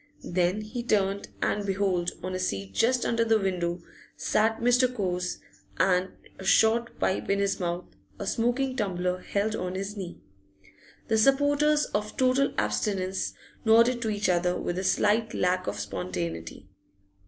Then he turned, and behold, on a seat just under the window sat Mr. Cowes, & short pipe in his mouth, a smoking tumbler held on his knee. The supporters of total abstinence nodded to each other, with a slight lack of spontaneity.